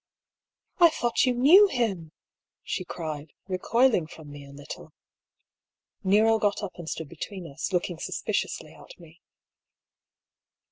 "I thought you knew him!" she cried, recoiling from me a little. Nero got up and stood between us, looking suspi ciously at me.